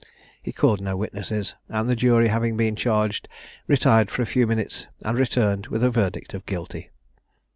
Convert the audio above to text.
He called no witnesses, and the jury having been charged, retired for a few minutes, and returned with a verdict of Guilty.